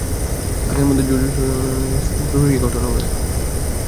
তাদের মধ্যে জুজুৎসু সর্সারারদের দ্বারা সৃষ্ট দ্রোহী ঘটনাও রয়েছে।